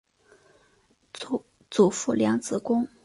祖父梁子恭。